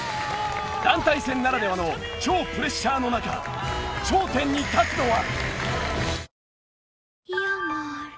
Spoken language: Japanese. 団体戦ならではの超プレッシャーの中頂点に立つのは？